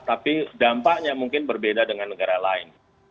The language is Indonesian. tapi dampaknya mungkin berbeda dengan negara lain